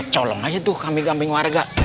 kita colok aja tuh kambing kambing warga